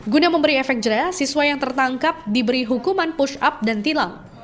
guna memberi efek jerah siswa yang tertangkap diberi hukuman push up dan tilang